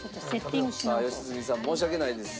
良純さん申し訳ないです。